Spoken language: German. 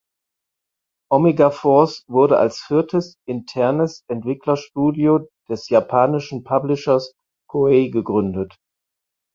Omega Force wurde als viertes internes Entwicklerstudio des japanischen Publishers Koei gegründet.